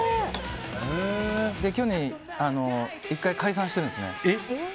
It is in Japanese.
去年１回、解散してるんです。